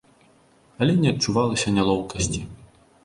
Але не адчувалася нялоўкасці.